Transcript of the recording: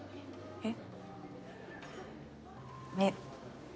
えっ？